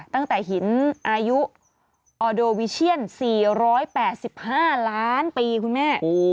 ตั้งแต่หินอายุออโดวิเชียน๔๘๕ล้านปีคุณแม่